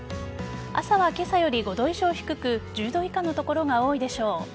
朝は今朝より５度以上低く１０度以下の所が多いでしょう。